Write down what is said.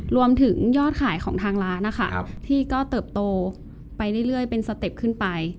รวมถึงยอดขายของทางร้านนะคะที่ก็เติบโตไปเรื่อยเป็นสเต็ปขึ้นไป